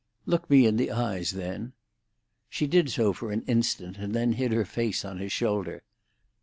"Look me in the eyes, then." She did so for an instant, and then hid her face on his shoulder.